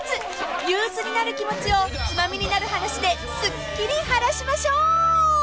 憂鬱になる気持ちを『ツマミになる話』ですっきり晴らしましょう！］